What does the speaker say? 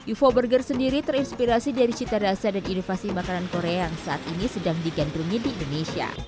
ufo burger sendiri terinspirasi dari cita rasa dan inovasi makanan korea yang saat ini sedang digandrungi di indonesia